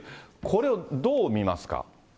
これをどう見ますか。